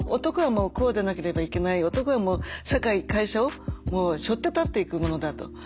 男はもうこうでなければいけない男はもう社会会社をしょって立っていくものだと。